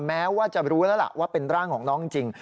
แม้ว่าจะรู้แล้วล่ะว่าเป็นร่างของน้องจริง